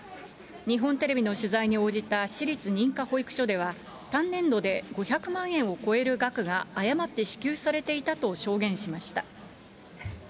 日本テレビの取材に応じた私立認可保育所では、単年度で５００万円を超える額が誤って支給されていたと証言しました。